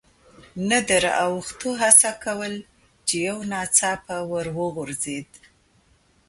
نه د را اوښتو هڅه کول، چې یو ناڅاپه ور وغورځېد.